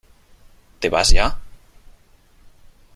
¿ te vas ya ?